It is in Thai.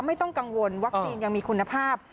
ไม่ต้องกังวลวัคซีนยังมีคุณภาพ